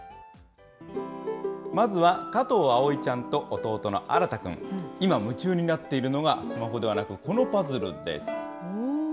まずは加藤葵ちゃんと弟の新くん、今夢中になっているのが、スマホではなく、このパズルです。